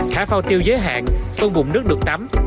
thả phao tiêu giới hạn con vùng nước được tắm